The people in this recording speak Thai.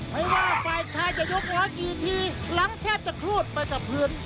ไม่ว่าฝ่ายชายจะยกร้อยกี่ทีหลังแทบจะคลูดไปกับพื้น